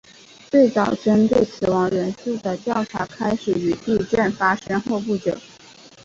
最早针对死亡人数的调查开始于地震发生后不久。